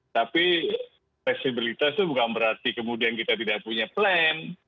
tapi fleksibilitas itu bukan berarti kemudian kita tidak punya plan